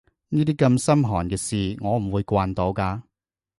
呢啲咁心寒嘅事我唔會慣到㗎